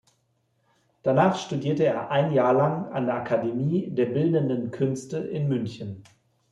Danach studierte er ein Jahr lang an der Akademie der Bildenden Künste in München.